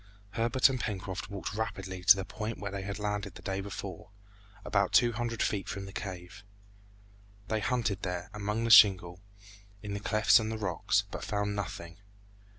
Herbert and Pencroft walked rapidly to the point where they had landed the day before, about two hundred feet from the cave. They hunted there, among the shingle, in the clefts of the rocks, but found nothing.